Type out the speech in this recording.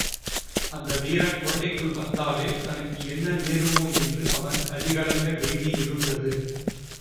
அந்த வீரன் கோட்டைக்குள் வந்தாலே தனக்கு என்ன நேருமோ என்று அவன் கதிகலங்க வேண்டியிருந்தது.